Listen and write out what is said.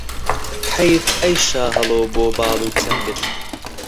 حەیف ئەی شاهەڵۆ بۆ باڵ و چەنگت